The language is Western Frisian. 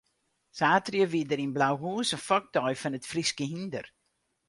Saterdei wie der yn Blauhûs in fokdei fan it Fryske hynder.